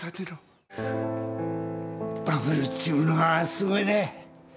バブルっちゅうものはすごいね。